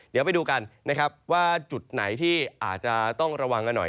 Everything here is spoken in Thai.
เดี๋ยวไปดูกันนะครับว่าจุดไหนที่อาจจะต้องระวังกันหน่อย